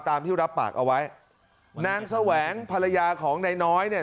ตามที่รับปากเอาไว้นางแสวงภรรยาของนายน้อยเนี่ย